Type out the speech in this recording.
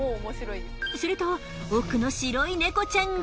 すると奥の白い猫ちゃんが。